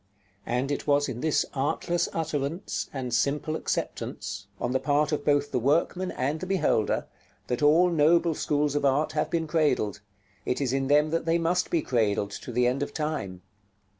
And it was in this artless utterance, and simple acceptance, on the part of both the workman and the beholder, that all noble schools of art have been cradled; it is in them that they must be cradled to the end of time.